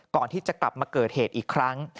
ก่อนที่จะกลับมาเกิดเหตุอีกครั้ง